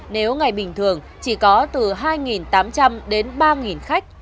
nếu ngày bình thường chỉ có từ hai tám trăm linh đến ba khách